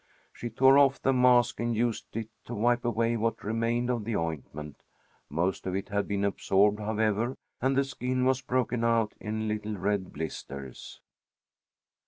She tore off the mask and used it to wipe away what remained of the ointment. Most of it had been absorbed, however, and the skin was broken out in little red blisters.